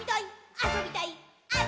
「あそびたいっ！！」